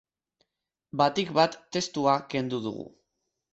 Batik bat, testua kendu dugu.